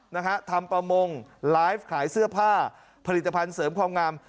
นะฮะทำประมงไลฟ์ขายเสื้อผ้าผลิตภัณฑ์เสริมความงาม